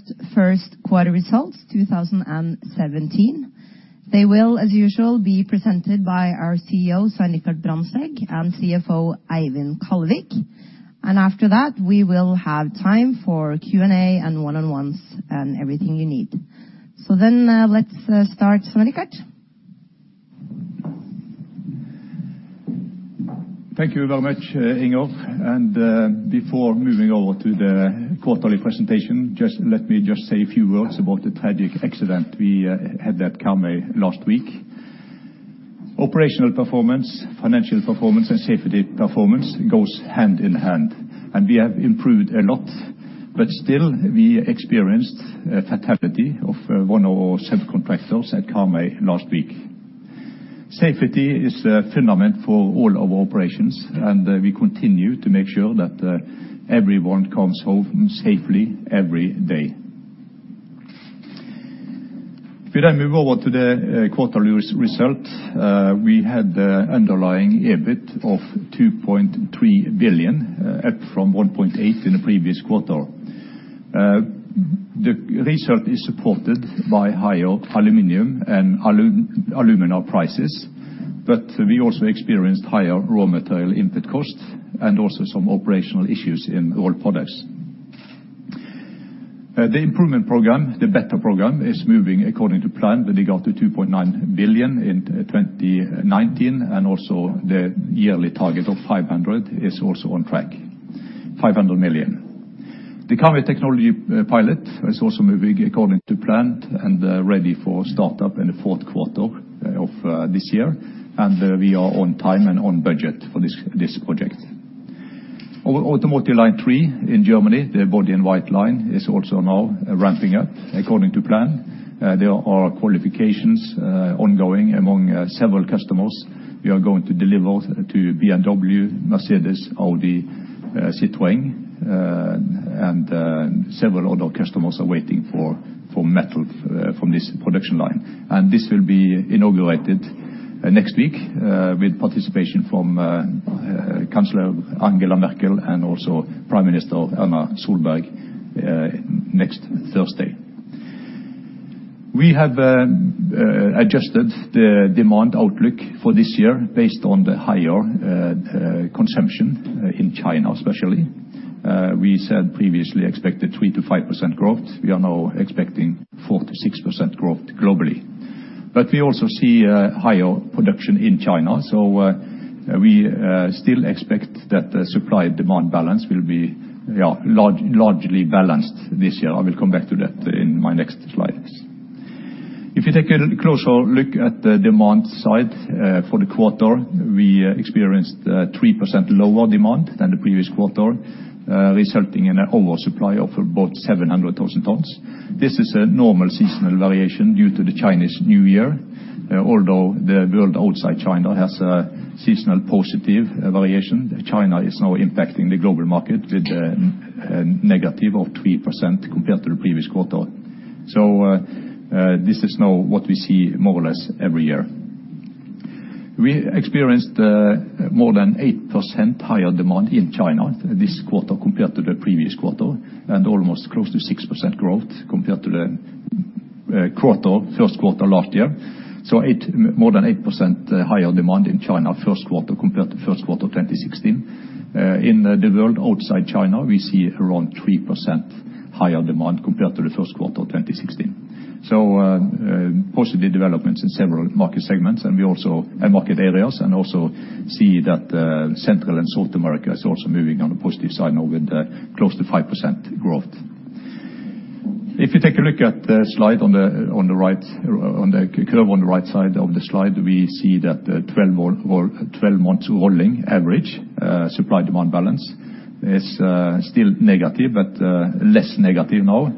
Q1 results, 2017. They will, as usual, be presented by our CEO, Svein Richard Brandtzæg, and CFO, Eivind Kallevik. After that, we will have time for Q&A, and one-on-ones, and everything you need. Let's start. Svein Richard? Thank you very much, Ingolf. Before moving over to the quarterly presentation, just let me just say a few words about the tragic accident we had at Karmøy last week. Operational performance, financial performance, and safety performance goes hand-in-hand, and we have improved a lot. Still, we experienced a fatality of one of our subcontractors at Karmøy last week. Safety is a phenomenon for all of our operations, and we continue to make sure that everyone comes home safely every day. If we then move over to the quarterly result, we had an underlying EBIT of 2.3 billion, up from 1.8 billion in the previous quarter. The result is supported by higher aluminum and alumina prices. We also experienced higher raw material input costs, and also some operational issues in Rolled Products. The improvement program, the Better program, is moving according to plan with regard to 2.9 billion in 2019, and also the yearly target of 500 million is also on track. The Karmøy Technology Pilot is also moving according to plan, and ready for start-up in the Q4 of this year. We are on time and on budget for this project. Our automotive line three in Germany, the body-in-white line, is also now ramping up according to plan. There are qualifications ongoing among several customers. We are going to deliver to BMW, Mercedes, Audi, Citroën, and several other customers are waiting for metal from this production line. This will be inaugurated next week with participation from Chancellor Angela Merkel and also Prime Minister Erna Solberg next Thursday. We have adjusted the demand outlook for this year based on the higher consumption in China, especially. We said previously expected 3%-5% growth. We are now expecting 4%-6% growth globally. We also see higher production in China, so we still expect that the supply-demand balance will be largely balanced this year. I will come back to that in my next slides. If you take a closer look at the demand side for the quarter, we experienced 3% lower demand than the previous quarter resulting in an oversupply of about 700,000 tons. This is a normal seasonal variation due to the Chinese New Year. Although the world outside China has a seasonal positive variation, China is now impacting the global market with a negative of 3% compared to the previous quarter. This is now what we see more or less every year. We experienced more than 8% higher demand in China this quarter compared to the previous quarter, and almost close to 6% growth compared to the Q1 last year. More than 8% higher demand in China Q1 compared to Q1 2016. In the world outside China, we see around 3% higher demand compared to the Q1 2016. Positive developments in several market segments, and we also. market areas, and also see that Central and South America is also moving on a positive side now with close to 5% growth. If you take a look at the slide on the right, on the curve on the right side of the slide, we see that the 12-month rolling average supply-demand balance is still negative but less negative now.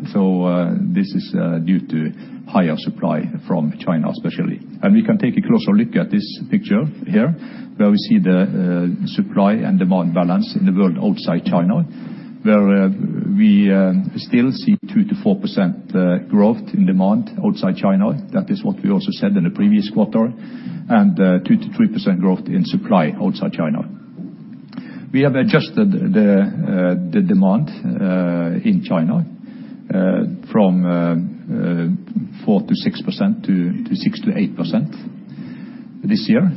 This is due to higher supply from China especially. We can take a closer look at this picture here, where we see the supply and demand balance in the world outside China, where we still see 2%-4% growth in demand outside China. That is what we also said in the previous quarter, and 2%-3% growth in supply outside China. We have adjusted the demand in China from 4%-6% to 6%-8% this year.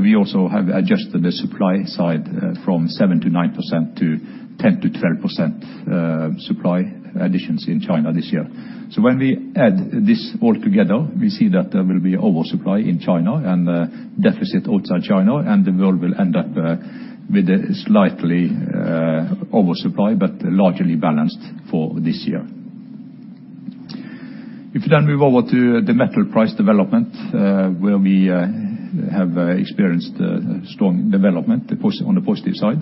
We also have adjusted the supply side from 7%-9% to 10%-12% supply additions in China this year. When we add this all together, we see that there will be oversupply in China and a deficit outside China, and the world will end up with a slightly oversupply, but largely balanced for this year. If you then move over to the metal price development, where we have experienced strong development on the positive side.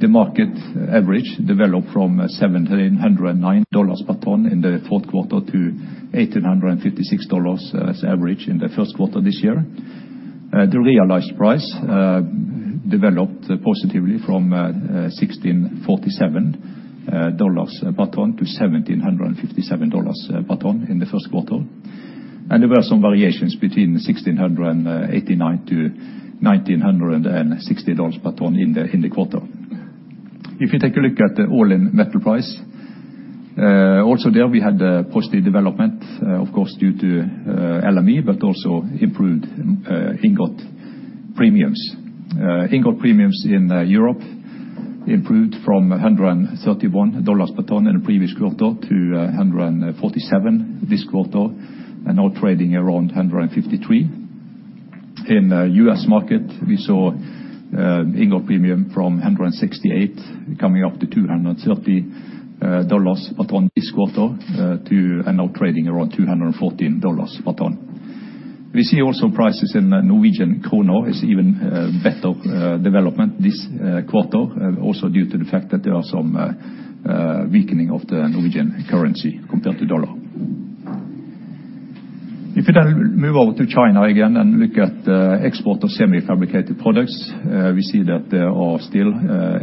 The market average developed from $1,709 per ton in the Q4 to $1,856 as average in the Q1 this year. The realized price developed positively from $1,647 per ton to $1,757 per ton in the Q1. There were some variations between $1,689-$1,960 per ton in the quarter. If you take a look at the all-in metal price, also there we had a positive development, of course due to LME but also improved ingot premiums. Ingot premiums in Europe improved from $131 per ton in the previous quarter to $147 this quarter, and now trading around $153. In U.S. market, we saw ingot premium from $168 coming up to $230 per ton this quarter, and now trading around $214 per ton. We see also prices in the Norwegian krone is even better development this quarter, also due to the fact that there are some weakening of the Norwegian currency compared to dollar. If you then move over to China again and look at export of semi-fabricated products, we see that there are still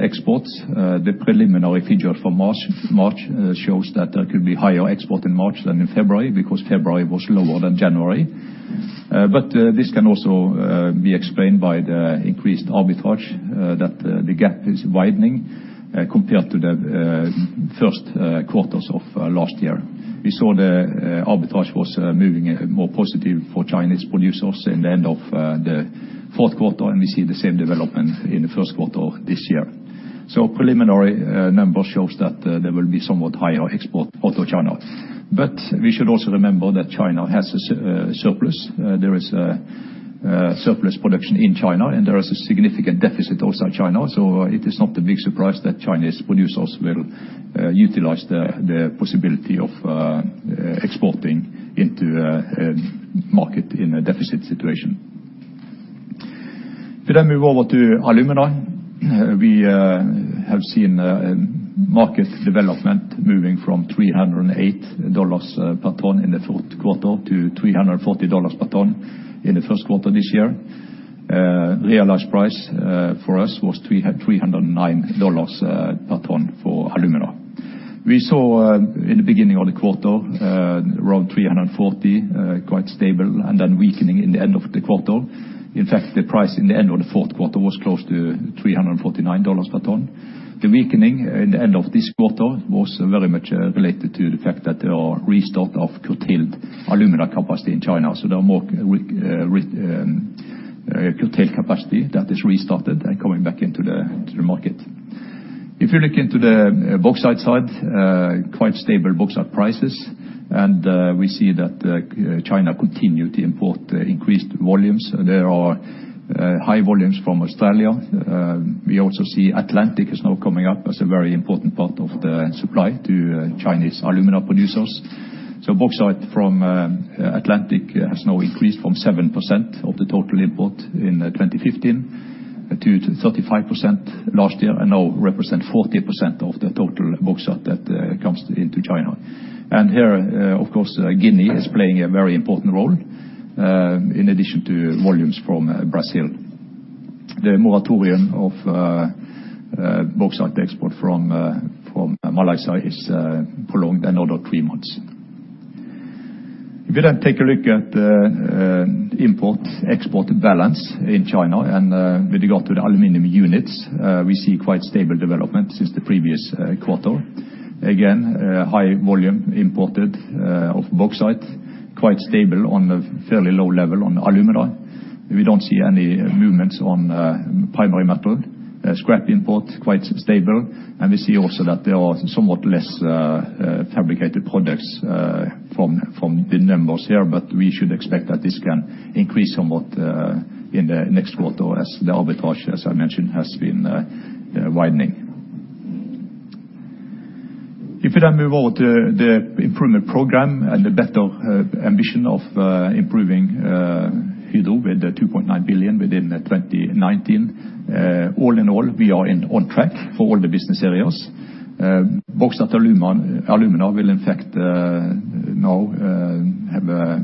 exports. The preliminary figure from March shows that there could be higher export in March than in February because February was lower than January. This can also be explained by the increased arbitrage that the gap is widening compared to the Q1s of last year. We saw the arbitrage was moving more positive for Chinese producers in the end of the Q4, and we see the same development in the Q1 this year. Preliminary numbers shows that there will be somewhat higher export out of China. We should also remember that China has a SA surplus. There is a surplus production in China, and there is a significant deficit outside China, so it is not a big surprise that Chinese producers will utilize the possibility of exporting into a market in a deficit situation. If I move over to alumina, we have seen market development moving from $308 per ton in the Q4 to $340 per ton in the Q1 this year. Realized price for us was $309 per ton for alumina. We saw in the beginning of the quarter around $340 quite stable, and then weakening in the end of the quarter. In fact, the price in the end of the Q4 was close to $349 per ton. The weakening in the end of this quarter was very much related to the fact that there are restart of curtailed alumina capacity in China, so there are more curtailed capacity that is restarted and coming back into the market. If you look into the bauxite side, quite stable bauxite prices, and we see that China continued to import increased volumes. There are high volumes from Australia. We also see Atlantic is now coming up as a very important part of the supply to Chinese alumina producers. Bauxite from Atlantic has now increased from 7% of the total import in 2015 to 35% last year and now represent 40% of the total bauxite that comes into China. Here, of course, Guinea is playing a very important role, in addition to volumes from Brazil. The moratorium of bauxite export from Malaysia is prolonged another three months. If you then take a look at import-export balance in China and with regard to the aluminum units, we see quite stable development since the previous quarter. Again, high volume imported of bauxite, quite stable on a fairly low level on alumina. We don't see any movements on primary metal. Scrap import quite stable, and we see also that there are somewhat less fabricated products from the numbers here, but we should expect that this can increase somewhat in the next quarter as the arbitrage, as I mentioned, has been widening. If you move over to the improvement program and the Better ambition of improving Hydro with the 2.9 billion within 2019, all in all, we are on track for all the business areas. Bauxite & Alumina will in fact now have a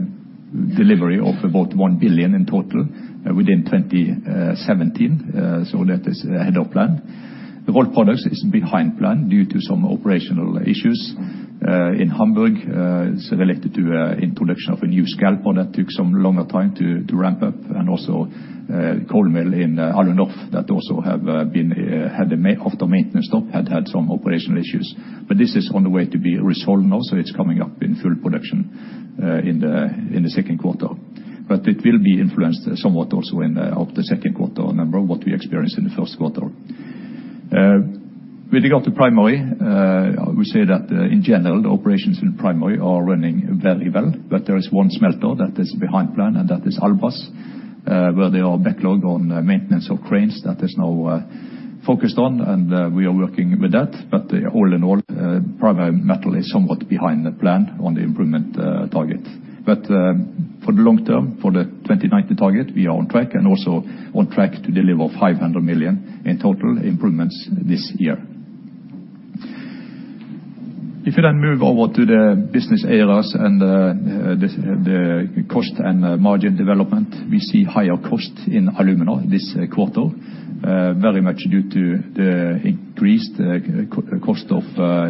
delivery of about 1 billion in total within 2017, so that is ahead of plan. The Rolled Products is behind plan due to some operational issues in Hamburg. It's related to introduction of a new scalper that took some longer time to ramp up, and also cold mill in Alunorf that also had some operational issues after maintenance stop. This is on the way to be resolved now, so it's coming up in full production in the Q2. It will be influenced somewhat also into the Q2 number what we experienced in the Q1. With regard to primary, I would say that in general the operations in primary are running very well, but there is one smelter that is behind plan, and that is Albras, where they are backlogged on maintenance of cranes that is now focused on, and we are working with that. All in all, primary metal is somewhat behind the plan on the improvement target. For the long term, for the 2030 target, we are on track and also on track to deliver 500 million in total improvements this year. If you move over to the business areas and the cost and margin development, we see higher costs in alumina this quarter, very much due to the increased cost of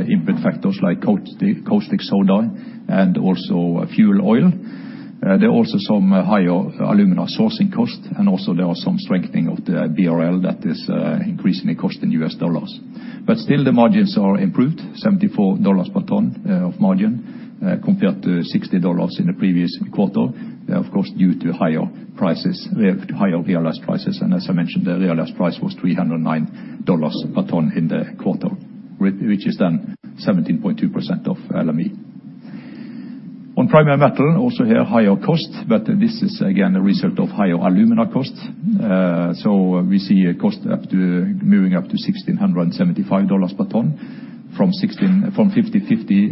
input factors like caustic soda and also fuel oil. There are also some higher alumina sourcing costs, and also there are some strengthening of the BRL that is increasing costs in U.S. dollars. Still the margins are improved, $74 per ton of margin compared to $60 in the previous quarter. Of course, due to higher prices, we have higher realized prices, and as I mentioned, the realized price was $309 per ton in the quarter, which is then 17.2% of LME. On Primary Metal, also here higher costs, but this is again a result of higher alumina costs. So we see a cost moving up to $1,675 per ton from $1,650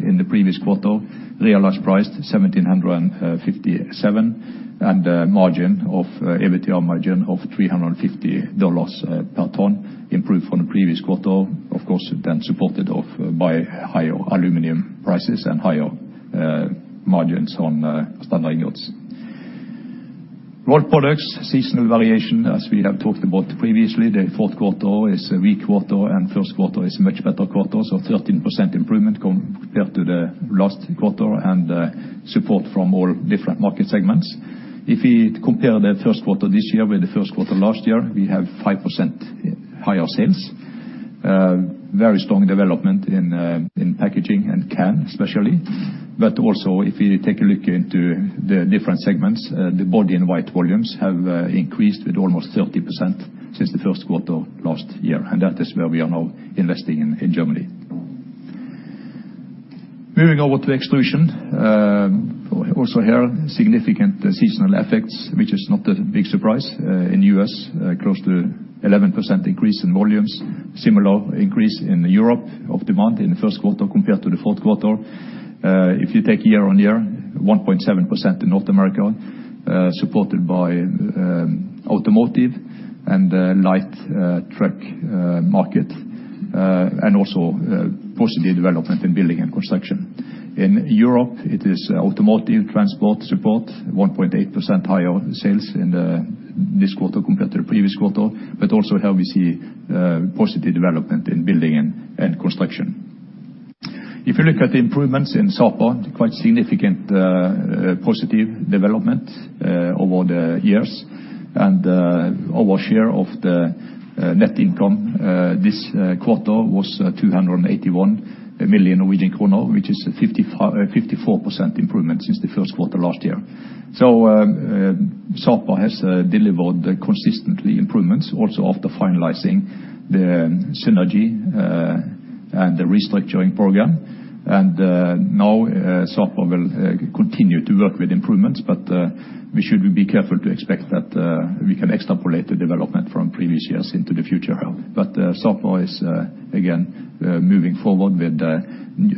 in the previous quarter, realized price $1,757, and a margin of EBITDA margin of $350 per ton, improved from the previous quarter, of course, then supported by higher aluminum prices and higher margins on standard ingots. Rolled Products, seasonal variation, as we have talked about previously, the Q4 is a weak quarter and Q1 is a much better quarter, so 13% improvement compared to the last quarter and support from all different market segments. If we compare the Q1 this year with the Q1 last year, we have 5% higher sales. Very strong development in packaging and can especially. Also, if you take a look into the different segments, the body-in-white volumes have increased with almost 30% since the Q1 last year. That is where we are now investing in Germany. Moving over to Extrusion, also here significant seasonal effects, which is not a big surprise, in U.S., close to 11% increase in volumes, similar increase in Europe of demand in the Q1 compared to the Q4. If you take year-on-year, 1.7% in North America, supported by automotive and light truck market, and also positive development in building and construction. In Europe, it is automotive transport support, 1.8% higher sales in this quarter compared to the previous quarter, but also here we see positive development in building and construction. If you look at the improvements in Sapa, quite significant positive development over the years and our share of the net income this quarter was 281 million Norwegian kroner, which is a 54% improvement since the Q1 last year. Sapa has delivered consistent improvements also after finalizing the synergy and the restructuring program. Now Sapa will continue to work with improvements, but we should be careful to expect that we can extrapolate the development from previous years into the future here. Sapa is again moving forward with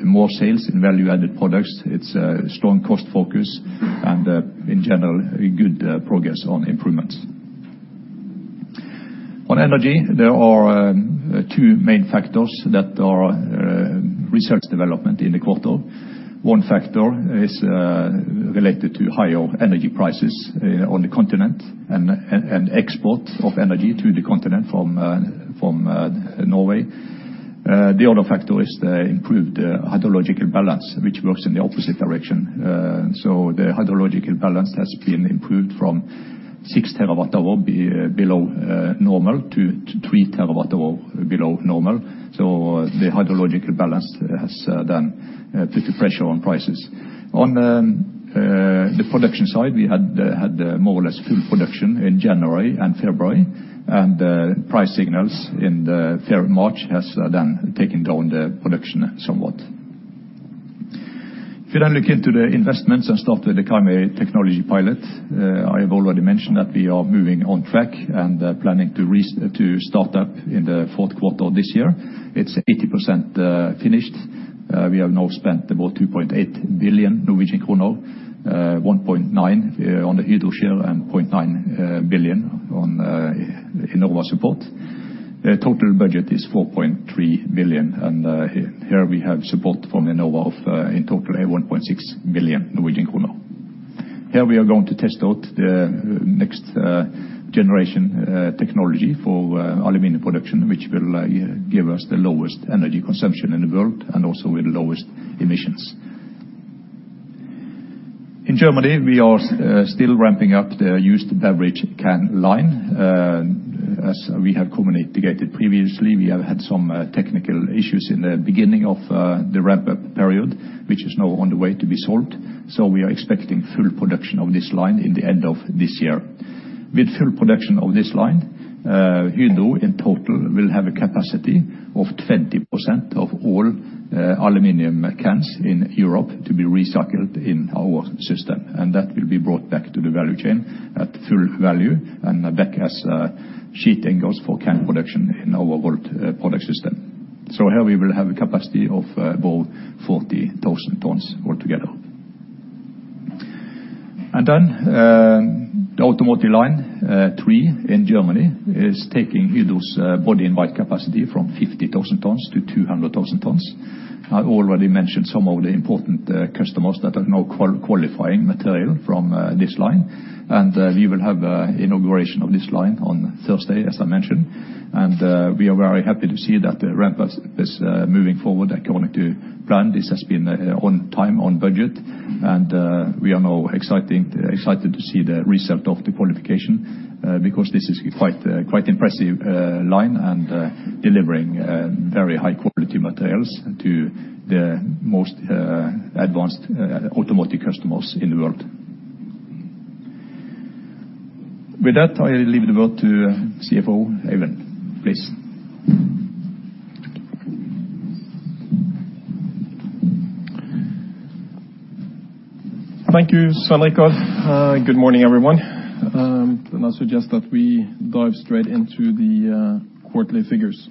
more sales in value-added products. It has a strong cost focus and in general a good progress on improvements. On Energy, there are two main factors that are responsible for the development in the quarter. One factor is related to higher energy prices on the continent and export of energy to the continent from Norway. The other factor is the improved hydrological balance, which works in the opposite direction. The hydrological balance has been improved from 6 terawatt hours below normal to 3 terawatt hours below normal. The hydrological balance has then put the pressure on prices. On the production side, we had more or less full production in January and February, and price signals in March has then taken down the production somewhat. If you look into the investments and start with the Karmøy Technology Pilot, I have already mentioned that we are moving on track and planning to start up in the Q4 this year. It's 80% finished. We have now spent about 2.8 billion Norwegian kroner, 1.9 on the Hydro share and 0.9 billion on Enova support. The total budget is 4.3 billion, and here we have support from Enova of in total 1.6 billion Norwegian kroner. Here we are going to test out the next generation technology for aluminum production, which will give us the lowest energy consumption in the world and also with the lowest emissions. In Germany, we are still ramping up the used beverage can line. As we have communicated previously, we have had some technical issues in the beginning of the ramp-up period, which is now on the way to be solved. We are expecting full production of this line in the end of this year. With full production of this line, Hydro in total will have a capacity of 20% of all aluminum cans in Europe to be recycled in our system. That will be brought back to the value chain at full value and back as sheet ingots for can production in our world product system. Here we will have a capacity of about 40,000 tons altogether. The automotive line three in Germany is taking those body-in-white capacity from 50,000 tons to 200,000 tons. I already mentioned some of the important customers that are now qualifying material from this line. We will have an inauguration of this line on Thursday, as I mentioned. We are very happy to see that the ramp up is moving forward according to plan. This has been on time, on budget, and we are now excited to see the result of the qualification, because this is quite impressive line and delivering very high quality materials to the most advanced automotive customers in the world. With that, I leave the word to CFO Eivind, please. Thank you, Svein Richard. Good morning, everyone. I suggest that we dive straight into the quarterly figures.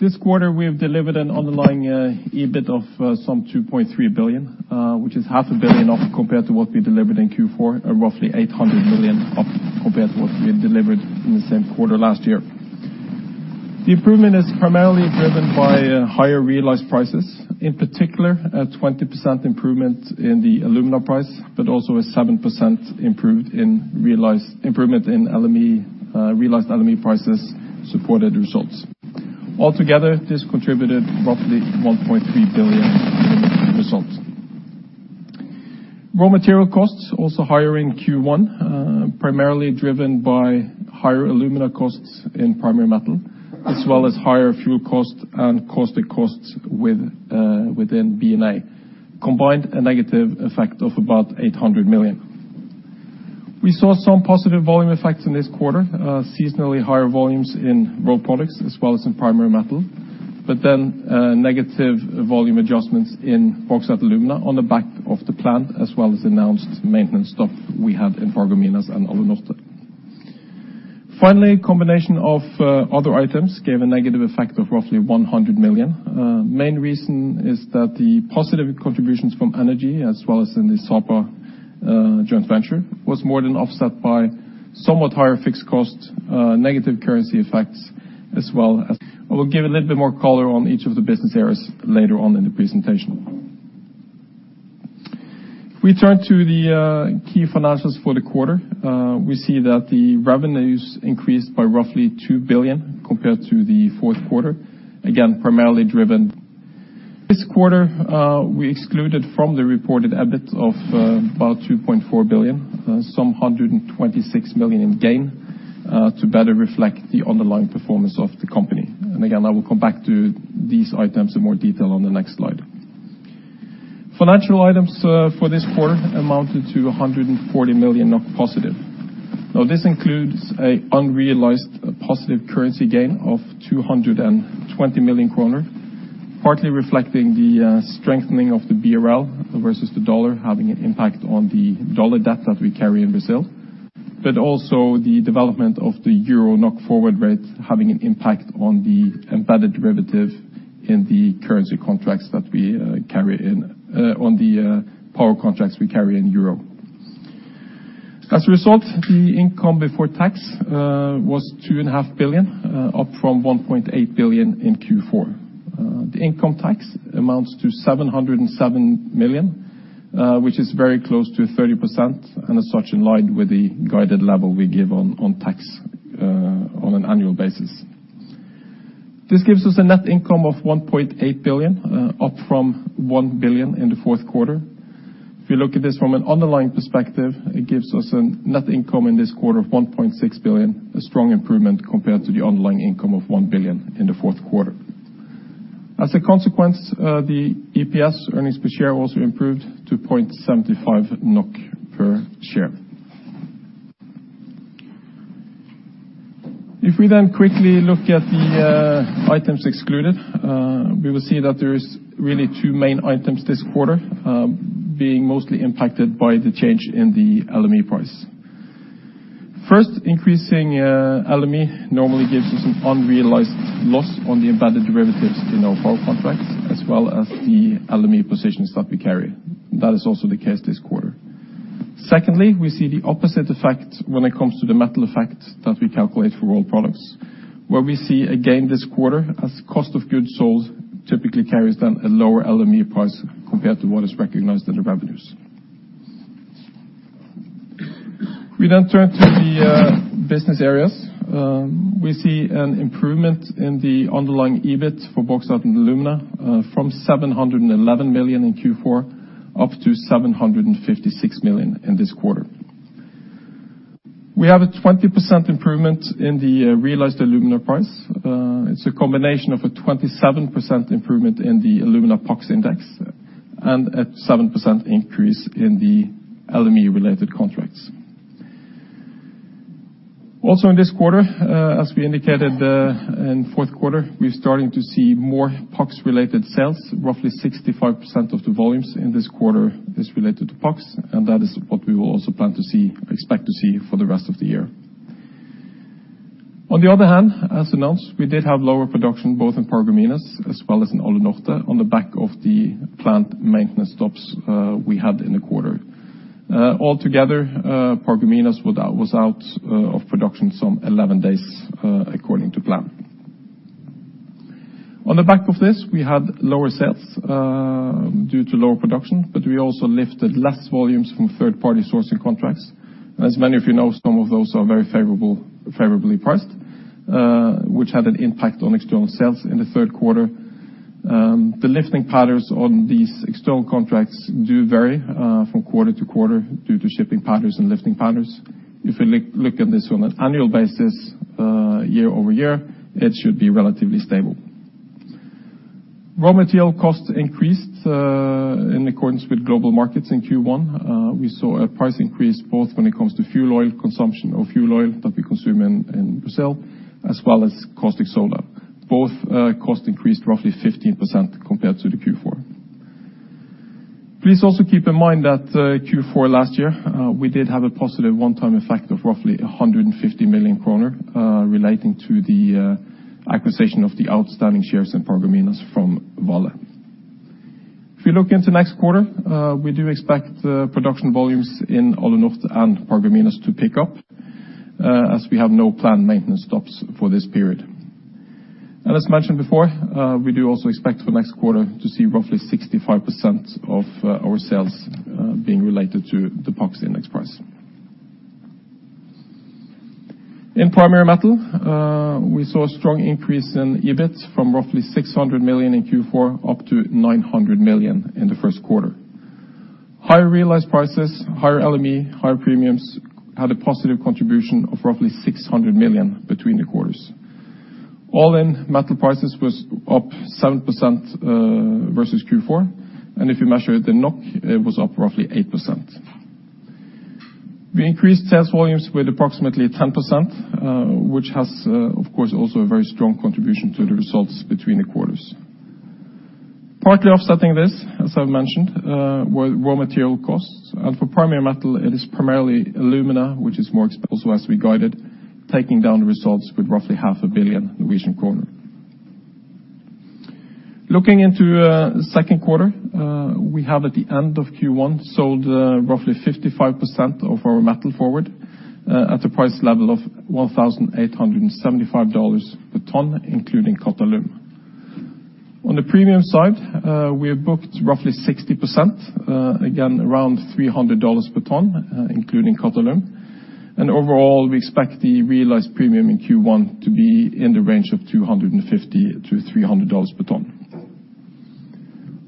This quarter, we have delivered an underlying EBIT of some 2.3 billion, which is half a billion off compared to what we delivered in Q4, or roughly 800 million off compared to what we had delivered in the same quarter last year. The improvement is primarily driven by higher realized prices, in particular a 20% improvement in the alumina price, but also a 7% improvement in realized LME prices supported results. Altogether, this contributed roughly 1.3 billion results. Raw material costs also higher in Q1, primarily driven by higher alumina costs in Primary Metal, as well as higher fuel costs and caustic costs within B&A. Combined, a negative effect of about 800 million. We saw some positive volume effects in this quarter, seasonally higher volumes in Rolled Products as well as in Primary Metal, but then, negative volume adjustments in Bauxite & Alumina on the back of the plant, as well as announced maintenance stuff we had in Paragominas and Alunorte. Finally, combination of other items gave a negative effect of roughly 100 million. Main reason is that the positive contributions from energy as well as in the Sapa joint venture was more than offset by somewhat higher fixed costs, negative currency effects. I will give a little bit more color on each of the business areas later on in the presentation. If we turn to the key financials for the quarter, we see that the revenues increased by roughly 2 billion compared to the Q4, again, primarily driven. This quarter, we excluded from the reported EBIT of about 2.4 billion some 126 million in gain to better reflect the underlying performance of the company. Again, I will come back to these items in more detail on the next slide. Financial items for this quarter amounted to 140 million NOK positive. Now, this includes an unrealized positive currency gain of 220 million kroner, partly reflecting the strengthening of the BRL versus the dollar having an impact on the dollar debt that we carry in Brazil, but also the development of the euro NOK forward rate having an impact on the embedded derivative in the currency contracts that we carry on the power contracts we carry in Europe. As a result, the income before tax was 2.5 billion up from 1.8 billion in Q4. The income tax amounts to 707 million, which is very close to 30%, and as such in line with the guided level we give on tax on an annual basis. This gives us a net income of 1.8 billion, up from 1 billion in the Q4. If you look at this from an underlying perspective, it gives us a net income in this quarter of 1.6 billion, a strong improvement compared to the underlying income of 1 billion in the Q4. As a consequence, the EPS, earnings per share, also improved to 0.75 NOK per share. If we then quickly look at the items excluded, we will see that there's really two main items this quarter, being mostly impacted by the change in the LME price. First, increasing LME normally gives us an unrealized loss on the embedded derivatives in our power contracts, as well as the LME positions that we carry. That is also the case this quarter. Secondly, we see the opposite effect when it comes to the metal effect that we calculate for Rolled Products, where we see, again this quarter, as cost of goods sold typically carries then a lower LME price compared to what is recognized in the revenues. We then turn to the business areas. We see an improvement in the underlying EBIT for Bauxite & Alumina from 711 million in Q4 up to 756 million in this quarter. We have a 20% improvement in the realized alumina price. It's a combination of a 27% improvement in the alumina PAX index and a 7% increase in the LME-related contracts. Also in this quarter, as we indicated in Q4, we're starting to see more PAX-related sales. Roughly 65% of the volumes in this quarter is related to PAX, and that is what we will also plan to see, expect to see for the rest of the year. On the other hand, as announced, we did have lower production both in Paragominas as well as in Alunorte on the back of the plant maintenance stops we had in the quarter. Altogether, Paragominas was out of production some 11 days according to plan. On the back of this, we had lower sales due to lower production, but we also lifted less volumes from third-party sourcing contracts. As many of you know, some of those are very favorable, favorably priced, which had an impact on external sales in the Q3. The lifting patterns on these external contracts do vary from quarter to quarter due to shipping patterns and lifting patterns. If we look at this on an annual basis, year-over-year, it should be relatively stable. Raw material costs increased in accordance with global markets in Q1. We saw a price increase both when it comes to fuel oil that we consume in Brazil, as well as caustic soda. Both cost increased roughly 15% compared to the Q4. Please also keep in mind that Q4 last year we did have a positive one-time effect of roughly 150 million kroner relating to the acquisition of the outstanding shares in Paragominas from Vale. If you look into next quarter, we do expect production volumes in Alunorte and Paragominas to pick up, as we have no planned maintenance stops for this period. As mentioned before, we do also expect for next quarter to see roughly 65% of our sales being related to the PAX index price. In Primary Metal, we saw a strong increase in EBIT from roughly 600 million in Q4 up to 900 million in the Q1. Higher realized prices, higher LME, higher premiums had a positive contribution of roughly 600 million between the quarters. All-in metal prices was up 7% versus Q4, and if you measure it in NOK, it was up roughly 8%. We increased sales volumes with approximately 10%, which has, of course, also a very strong contribution to the results between the quarters. Partly offsetting this, as I mentioned, were raw material costs. For Primary Metal, it is primarily alumina, which is more expensive as we guided, taking down the results with roughly half a billion Norwegian kroner. Looking into Q2, we have at the end of Q1 sold roughly 55% of our metal forward at the price level of $1,875 per ton, including Qatalum. On the premium side, we have booked roughly 60%, again, around $300 per ton, including Qatalum. Overall, we expect the realized premium in Q1 to be in the range of $250-$300 per ton.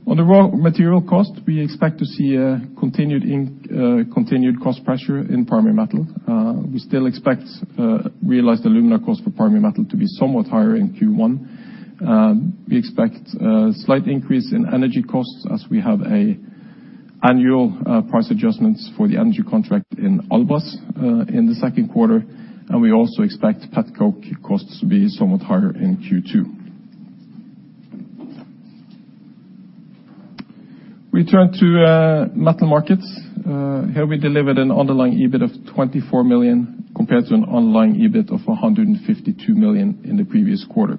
On the raw material cost, we expect to see a continued cost pressure in Primary Metal. We still expect realized alumina cost for Primary Metal to be somewhat higher in Q1. We expect a slight increase in energy costs as we have an annual price adjustments for the energy contract in Albras in the Q2, and we also expect petcoke costs to be somewhat higher in Q2. We turn to Metal Markets. Here we delivered an underlying EBIT of 24 million compared to an underlying EBIT of 152 million in the previous quarter.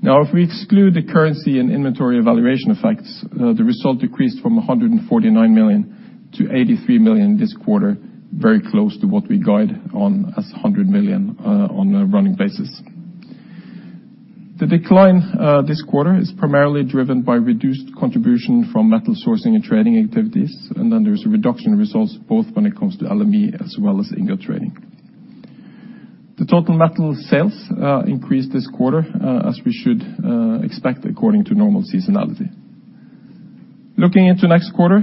Now, if we exclude the currency and inventory valuation effects, the result decreased from 149 million to 83 million this quarter, very close to what we guide on as 100 million on a running basis. The decline this quarter is primarily driven by reduced contribution from metal sourcing and trading activities, and then there's a reduction in results both when it comes to LME as well as ingot trading. The total metal sales increased this quarter as we should expect according to normal seasonality. Looking into next quarter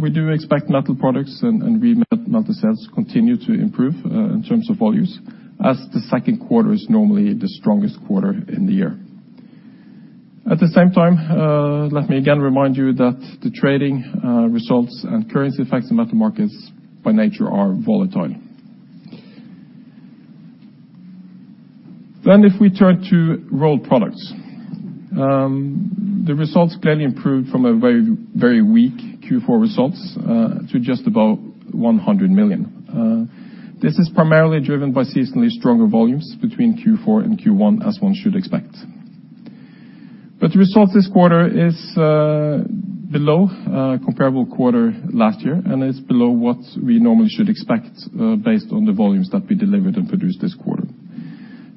we do expect Metal Markets and remelt metal sales continue to improve in terms of volumes as the Q2 is normally the strongest quarter in the year. At the same time let me again remind you that the trading results and currency effects in Metal Markets by nature are volatile. If we turn to Rolled Products, the results clearly improved from a very weak Q4 results to just about 100 million. This is primarily driven by seasonally stronger volumes between Q4 and Q1, as one should expect. The result this quarter is below comparable quarter last year, and it is below what we normally should expect based on the volumes that we delivered and produced this quarter.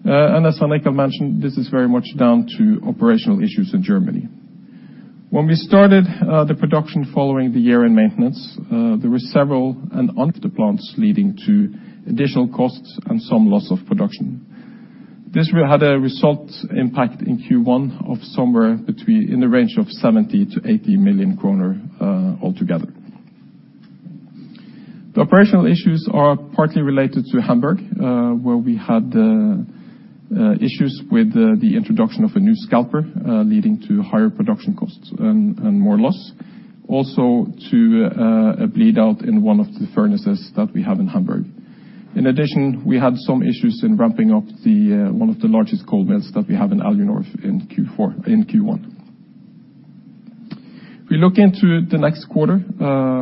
As Svein Richard mentioned, this is very much down to operational issues in Germany. When we started the production following the year-end maintenance, there were several unexpected plant stops leading to additional costs and some loss of production. This will have a resultant impact in Q1 of somewhere between, in the range of 70 million-80 million kroner altogether. The operational issues are partly related to Hamburg, where we had issues with the introduction of a new scalper, leading to higher production costs and more loss, also to a bleed out in one of the furnaces that we have in Hamburg. In addition, we had some issues in ramping up the one of the largest cold mills that we have in Alunorte in Q1. If you look into the next quarter,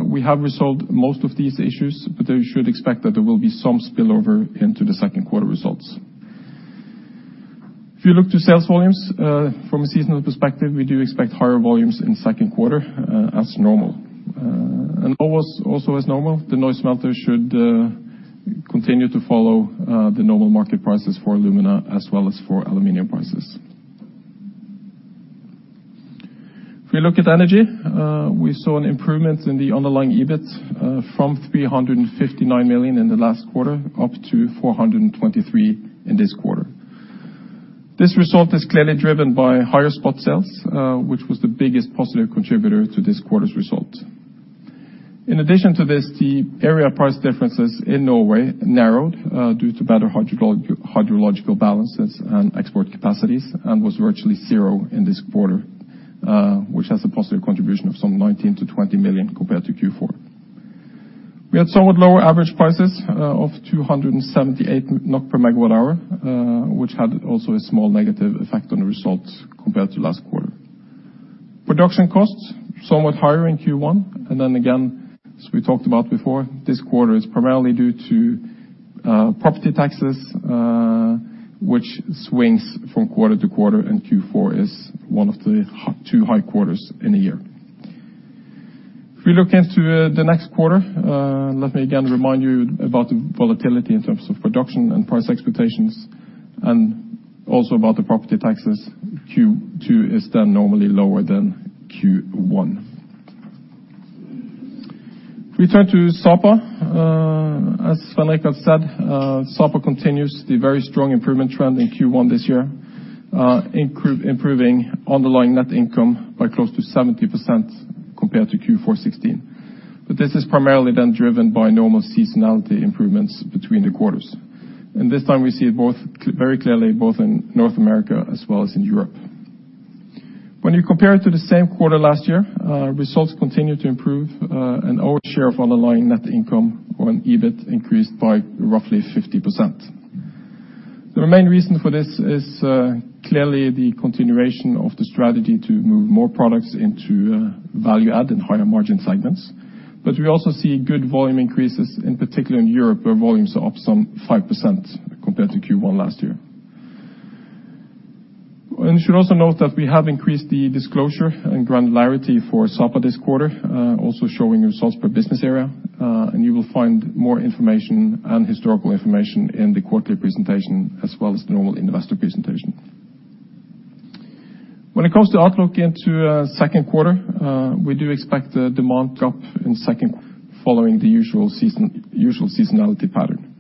we have resolved most of these issues, but you should expect that there will be some spillover into the Q2 results. If you look to sales volumes, from a seasonal perspective, we do expect higher volumes in Q2, as normal. Also as normal, the Neuss smelter should continue to follow the normal market prices for alumina as well as for aluminum prices. If we look at energy, we saw an improvement in the underlying EBIT from 359 million in the last quarter, up to 423 million in this quarter. This result is clearly driven by higher spot sales, which was the biggest positive contributor to this quarter's result. In addition to this, the area price differences in Norway narrowed due to better hydrological balances and export capacities and was virtually zero in this quarter, which has a positive contribution of some 19-20 million compared to Q4. We had somewhat lower average prices of 278 NOK per MWh, which had also a small negative effect on the results compared to last quarter. Production costs somewhat higher in Q1, and then again, as we talked about before, this quarter is primarily due to property taxes, which swings from quarter to quarter, and Q4 is one of the two high quarters in a year. If we look into the next quarter, let me again remind you about the volatility in terms of production and price expectations, and also about the property taxes. Q2 is then normally lower than Q1. If we turn to Sapa, as Svein Richard said, Sapa continues the very strong improvement trend in Q1 this year, improving underlying net income by close to 70% compared to Q4 2016. This is primarily then driven by normal seasonality improvements between the quarters. This time, we see it both very clearly, both in North America as well as in Europe. When you compare it to the same quarter last year, results continue to improve, and our share of underlying net income on EBIT increased by roughly 50%. The main reason for this is clearly the continuation of the strategy to move more products into value add and higher margin segments. We also see good volume increases, in particular in Europe, where volumes are up some 5% compared to Q1 last year. You should also note that we have increased the disclosure and granularity for Sapa this quarter, also showing results per business area, and you will find more information and historical information in the quarterly presentation as well as the normal investor presentation. When it comes to outlook into Q2, we do expect a demand drop in second following the usual seasonality pattern.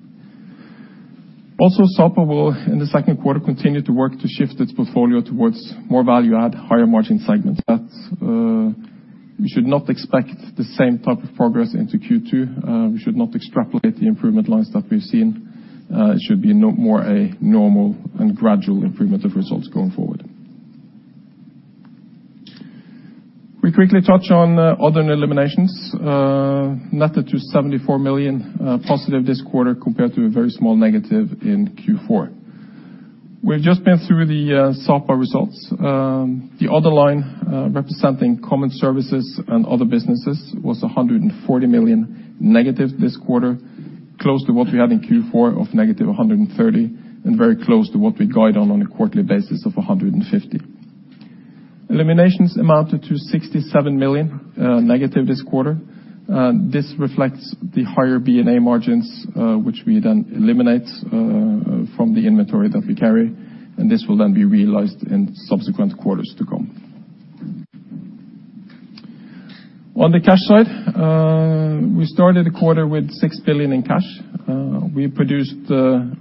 Also, Sapa will, in the Q2, continue to work to shift its portfolio towards more value add, higher margin segments. That's, we should not expect the same type of progress into Q2. We should not extrapolate the improvement lines that we've seen. It should be more a normal and gradual improvement of results going forward. We quickly touch on other eliminations, net at 274 million positive this quarter compared to a very small negative in Q4. We've just been through the Sapa results. The other line, representing common services and other businesses was 140 million negative this quarter, close to what we had in Q4 of negative 130 million, and very close to what we guide on on a quarterly basis of 150 million. Eliminations amounted to 67 million negative this quarter. This reflects the higher B&A margins, which we then eliminate from the inventory that we carry, and this will then be realized in subsequent quarters to come. On the cash side, we started the quarter with 6 billion in cash. We produced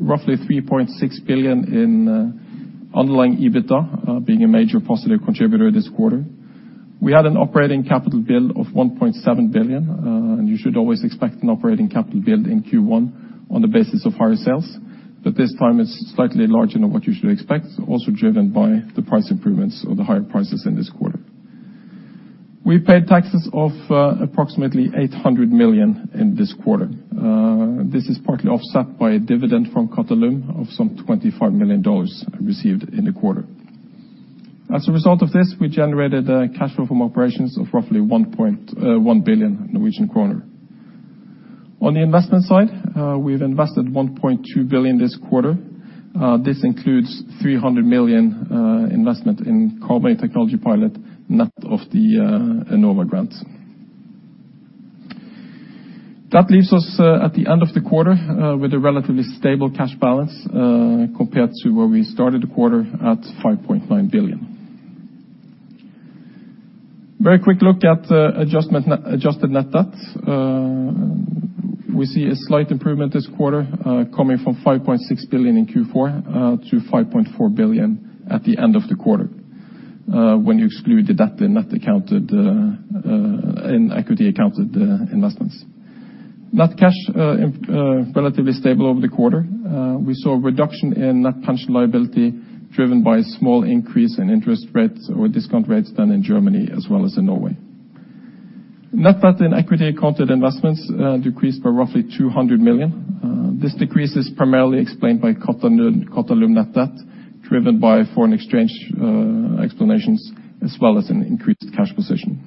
roughly 3.6 billion in underlying EBITDA, being a major positive contributor this quarter. We had an operating capital build of 1.7 billion, and you should always expect an operating capital build in Q1 on the basis of higher sales. This time, it's slightly larger than what you should expect, also driven by the price improvements or the higher prices in this quarter. We paid taxes of approximately 800 million in this quarter. This is partly offset by a dividend from Qatalum of some $25 million received in the quarter. As a result of this, we generated a cash flow from operations of roughly 1.1 billion Norwegian kroner. On the investment side, we've invested 1.2 billion this quarter. This includes 300 million investment in carbon technology pilot, net of the Enova grants. That leaves us at the end of the quarter with a relatively stable cash balance compared to where we started the quarter at 5.9 billion. Very quick look at adjusted net debt. We see a slight improvement this quarter coming from 5.6 billion in Q4 to 5.4 billion at the end of the quarter when you exclude the debt in equity accounted investments. Net cash relatively stable over the quarter. We saw a reduction in net pension liability driven by a small increase in interest rates and discount rates in Germany as well as in Norway. Net debt and equity accounted investments decreased by roughly 200 million. This decrease is primarily explained by Qatalum net debt, driven by foreign exchange effects, as well as an increased cash position.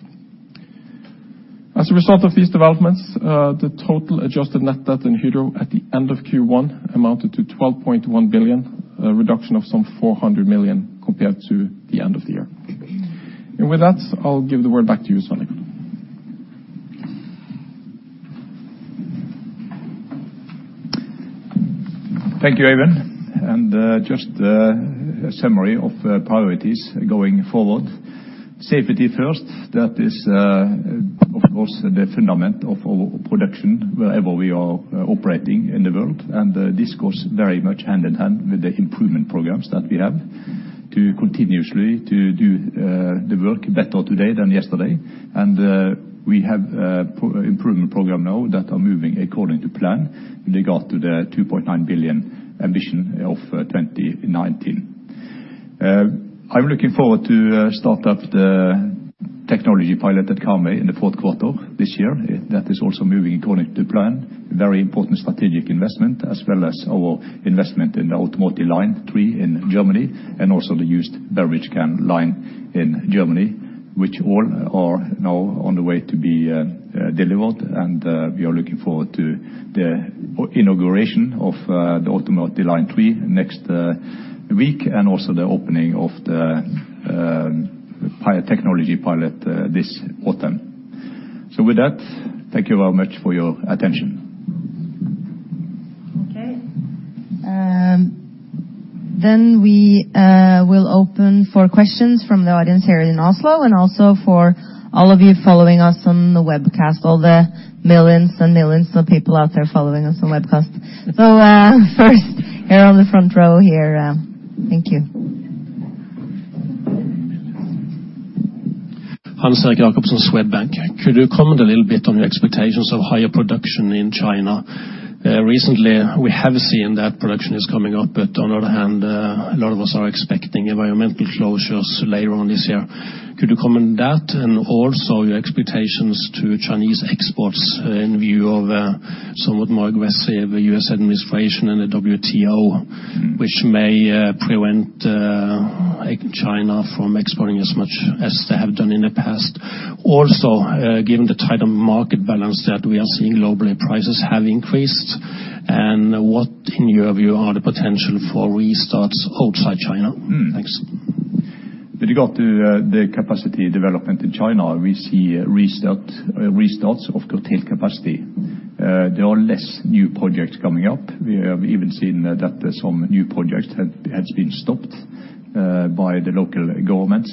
As a result of these developments, the total adjusted net debt in Hydro at the end of Q1 amounted to 12.1 billion, a reduction of some 400 million compared to the end of the year. With that, I'll give the word back to you, Svein Richard. Thank you, Eivind. Just a summary of priorities going forward. Safety first, that is, of course, the foundation of our production wherever we are operating in the world. This goes very much hand-in-hand with the improvement programs that we have to continuously do the work better today than yesterday. We have improvement programs now that are moving according to plan with regard to the 2.9 billion ambition of 2019. I'm looking forward to start up the technology pilot at Karmøy in the Q4 this year. That is also moving according to plan, very important strategic investment, as well as our investment in the Automotive Line Three in Germany, and also the used beverage can line in Germany, which all are now on the way to be delivered. We are looking forward to the inauguration of the Automotive Line Three next week, and also the opening of the Karmøy Technology Pilot this autumn. With that, thank you very much for your attention. Okay. We will open for questions from the audience here in Oslo, and also for all of you following us on the webcast, all the millions and millions of people out there following us on webcast. First, here on the front row here, thank you. Hans Jacob from Swedbank. Could you comment a little bit on your expectations of higher production in China? Recently, we have seen that production is coming up, but on the other hand, a lot of us are expecting environmental closures later on this year. Could you comment that? Also your expectations to Chinese exports in view of, somewhat more aggressive U.S. administration and the WTO. which may prevent like China from exporting as much as they have done in the past. Also, given the tighter market balance that we are seeing globally, prices have increased. What, in your view, are the potential for restarts outside China? Thanks. With regard to the capacity development in China, we see restarts of curtailed capacity. There are less new projects coming up. We have even seen that some new projects has been stopped by the local governments.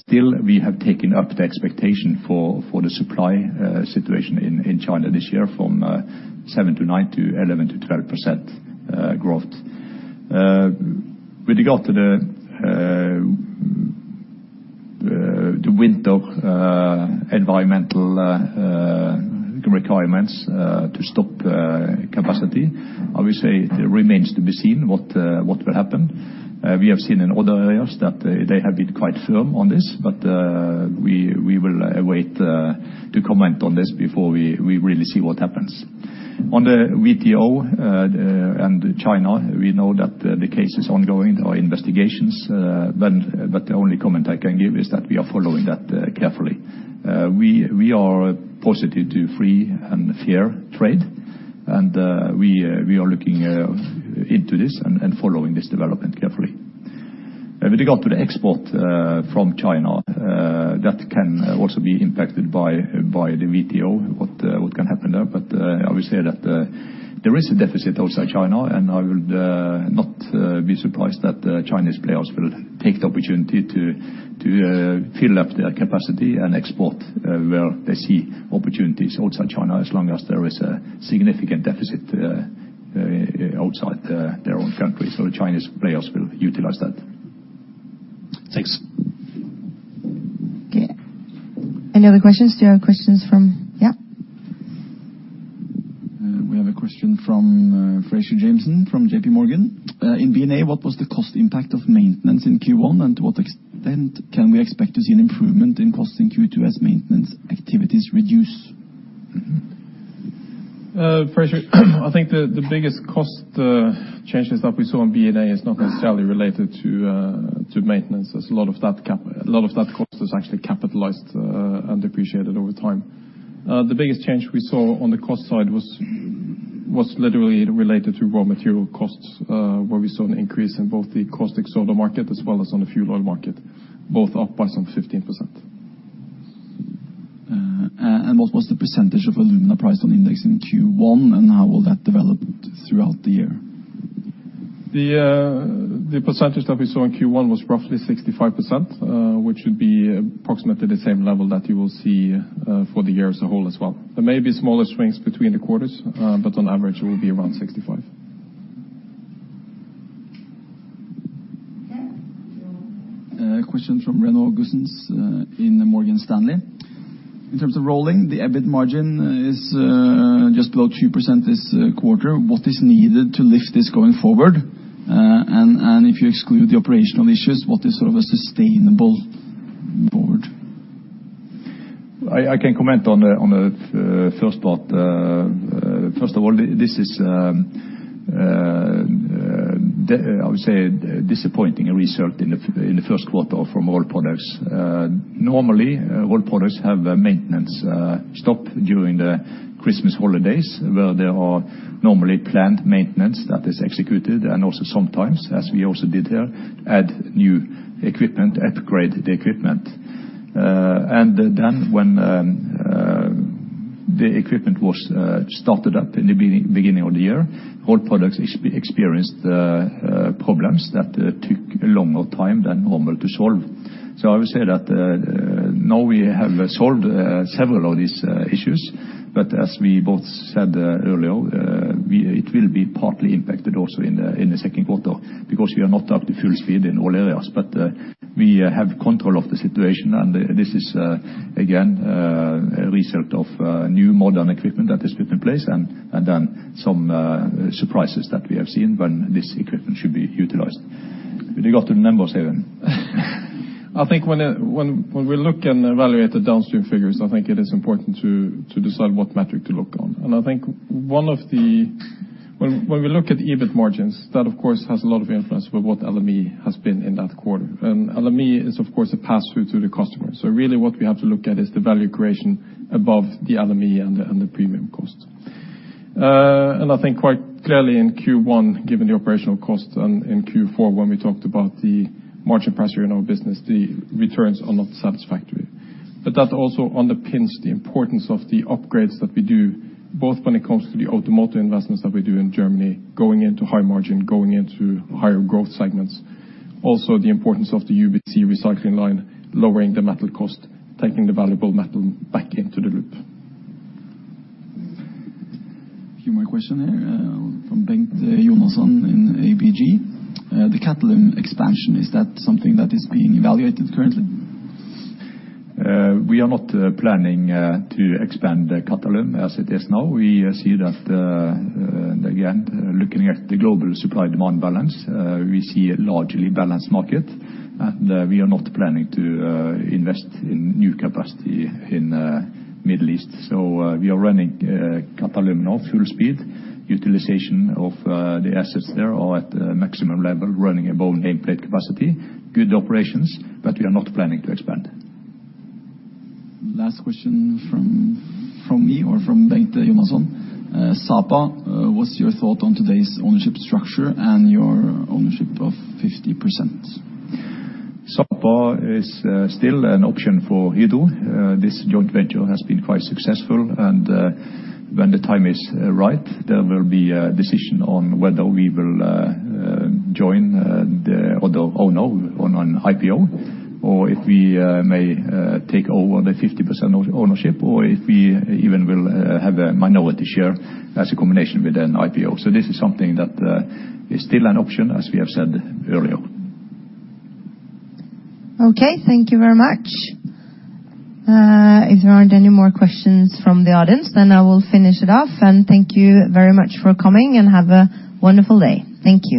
Still, we have taken up the expectation for the supply situation in China this year from 7%-9% to 11%-12% growth. With regard to the winter environmental requirements to stop capacity, obviously it remains to be seen what will happen. We have seen in other areas that they have been quite firm on this, but we will await to comment on this before we really see what happens. On the WTO and China, we know that the case is ongoing investigations, but the only comment I can give is that we are following that carefully. We are positive to free and fair trade, and we are looking into this and following this development carefully. With regard to the export from China, that can also be impacted by the WTO, what can happen there. Obviously, there is a deficit outside China, and I would not be surprised that the Chinese players will take the opportunity to fill up their capacity and export where they see opportunities outside China, as long as there is a significant deficit outside their own country. The Chinese players will utilize that. Thanks. Okay. Any other questions? Do you have questions? Yeah. We have a question from Fraser Jamieson from JP Morgan. In B&A, what was the cost impact of maintenance in Q1? To what extent can we expect to see an improvement in cost in Q2 as maintenance activities reduce? Fraser, I think the biggest cost changes that we saw in B&A is not necessarily related to maintenance. A lot of that cost is actually capitalized and depreciated over time. The biggest change we saw on the cost side was literally related to raw material costs, where we saw an increase in both the caustic soda market as well as on the fuel oil market, both up by some 15%. What was the percentage of alumina price on index in Q1, and how will that develop throughout the year? The percentage that we saw in Q1 was roughly 65%, which would be approximately the same level that you will see for the year as a whole as well. There may be smaller swings between the quarters, but on average, it will be around 65. Question from Renaud Guissens in Morgan Stanley. In terms of the Rolled Products EBIT margin is just below 2% this quarter. What is needed to lift this going forward? If you exclude the operational issues, what is sort of a sustainable run rate? I can comment on the first part. First of all, this is, I would say, disappointing result in the Q1 from Rolled Products. Normally Rolled Products have a maintenance stop during the Christmas holidays, where there are normally planned maintenance that is executed, and also sometimes, as we also did there, add new equipment, upgrade the equipment. When the equipment was started up in the beginning of the year, Rolled Products experienced problems that took a longer time than normal to solve. I would say that now we have solved several of these issues, but as we both said earlier, it will be partly impacted also in the Q2 because we are not up to full speed in all areas. We have control of the situation, and this is again a result of new modern equipment that is put in place, and then some surprises that we have seen when this equipment should be utilized. Did you go through the numbers, Eivind? I think when we look and evaluate the downstream figures, I think it is important to decide what metric to look on. When we look at EBIT margins, that of course has a lot of influence with what LME has been in that quarter. LME is of course a pass-through to the customer. So really what we have to look at is the value creation above the LME and the premium cost. I think quite clearly in Q1, given the operational cost and in Q4 when we talked about the margin pressure in our business, the returns are not satisfactory. That also underpins the importance of the upgrades that we do, both when it comes to the automotive investments that we do in Germany, going into high margin, going into higher growth segments. Also, the importance of the UBC recycling line, lowering the metal cost, taking the valuable metal back into the loop. few more questions here, from Bengt Jonassen in ABG. The Qatalum expansion, is that something that is being evaluated currently? We are not planning to expand the Qatalum as it is now. We see that, again, looking at the global supply-demand balance, we see a largely balanced market, and we are not planning to invest in new capacity in Middle East. We are running Qatalum now full speed. Utilization of the assets there are at maximum level, running above nameplate capacity. Good operations, but we are not planning to expand. Last question from me or from Bengt Jonassen. Sapa, what's your thought on today's ownership structure and your ownership of 50%? Sapa is still an option for Hydro. This joint venture has been quite successful, and when the time is ripe, there will be a decision on whether we will join the other owner on an IPO, or if we may take over the 50% ownership, or if we even will have a minority share as a combination with an IPO. This is something that is still an option, as we have said earlier. Okay, thank you very much. If there aren't any more questions from the audience, then I will finish it off, and thank you very much for coming and have a wonderful day. Thank you.